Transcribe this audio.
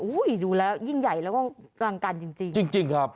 ดูแล้วยิ่งใหญ่แล้วก็รังกันจริงจริงครับ